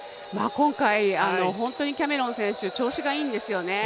今回本当にキャメロン選手調子がいいんですよね。